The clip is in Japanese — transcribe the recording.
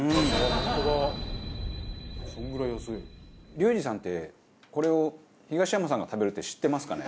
リュウジさんってこれを東山さんが食べるって知ってますかね？